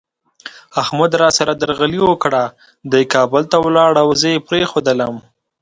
احمد را سره درغلي وکړه، دی کابل ته ولاړ او زه یې پرېښودلم.